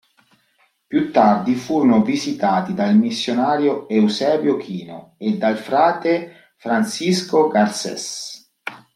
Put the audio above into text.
Più tardi furono visitati dal missionario Eusebio Kino e dal frate Francisco Garcés.